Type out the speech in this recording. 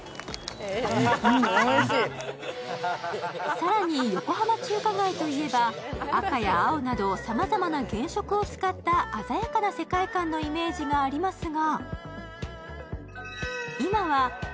更に、横浜中華街といえば赤や青など、さまざまな原色を使った鮮やかな世界観のイメージがありますが。